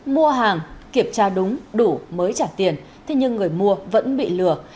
mua hàng kiểm tra đúng đủ mới trả tiền thế nhưng người mua vẫn bị lừa